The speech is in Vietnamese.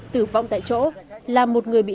tử vong tại chỗ làm một người bị